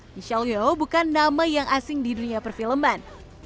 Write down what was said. michelle yeoh bukan nama yang asing di dunia perfilman